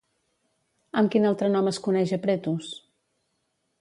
Amb quin altre nom es coneix a Pretos?